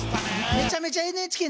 めちゃめちゃＮＨＫ